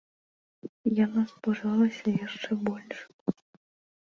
Яна спужалася яшчэ больш.